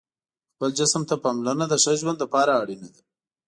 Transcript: خپل جسم ته پاملرنه د ښه ژوند لپاره اړینه ده.